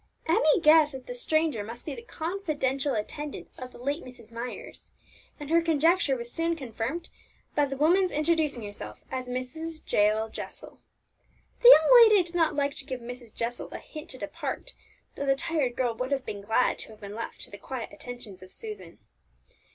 Emmie guessed that the stranger must be the confidential attendant of the late Mrs. Myers, and her conjecture was soon confirmed by the woman's introducing herself as Mrs. Jael Jessel. The young lady did not like to give Mrs. Jessel a hint to depart, though the tired girl would have been glad to have been left to the quiet attentions of Susan.